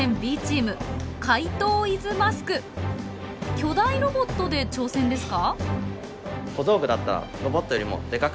巨大ロボットで挑戦ですか？